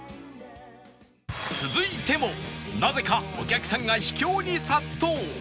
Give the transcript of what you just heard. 続いてもなぜかお客さんが秘境に殺到